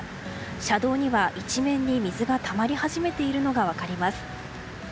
車道には一面に水がたまり始めているのが分かります。